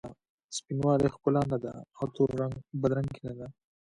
سپین والې ښکلا نه ده او تور رنګ بد رنګي نه ده.